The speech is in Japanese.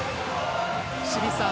清水さん